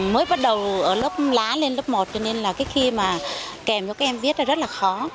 mới bắt đầu ở lớp lá lên lớp một cho nên là cái khi mà kèm cho các em viết là rất là khó